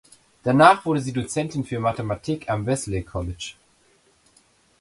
Danach wurde sie Dozentin für Mathematik am Wellesley College.